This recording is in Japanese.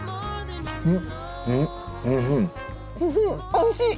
おいしい？